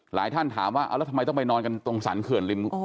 ท่านถามว่าแล้วทำไมต้องไปนอนกันตรงสรรเขื่อนริม